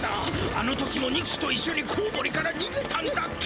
あの時もニックといっしょにコウモリからにげたんだっけ！